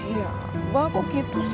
iya abah kok gitu sih